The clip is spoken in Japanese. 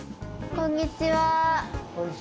こんにちは。